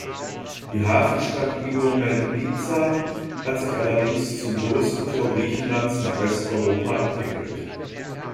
Die Hafenstadt Igoumenitsa hat sich allerdings zum größten Tor Griechenlands nach Westeuropa entwickelt.